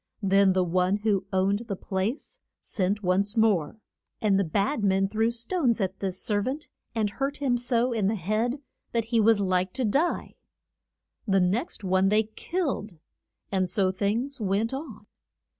Then the one who owned the place sent once more, and the bad men threw stones at this ser vant, and hurt him so in the head that he was like to die. The next one they killed, and so things went on.